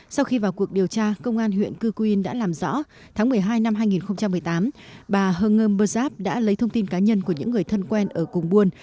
sau khi vào cuộc điều tra công an huyện cư cù yên đã làm rõ tháng một mươi hai năm hai nghìn một mươi tám bà hờ ngơm bờ đắp đã lấy thông tin cá nhân của những người thân quen ở cùng buôn